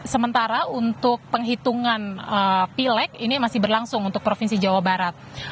sementara untuk penghitungan pileg ini masih berlangsung untuk provinsi jawa barat